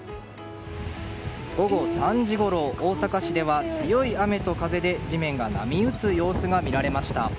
午後３時ごろ、大阪市では強い雨と風で地面が波打つ様子が見られました。